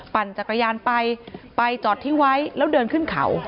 ปั่นจักรยานไปไปจอดทิ้งไว้แล้วเดินขึ้นเขา